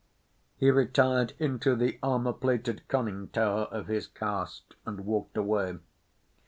He retired into the armour plated conning tower of his caste and walked away.